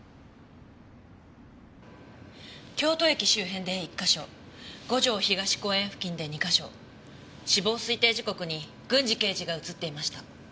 京都駅周辺で１か所五条東公園付近で２か所死亡推定時刻に郡侍刑事が映っていました。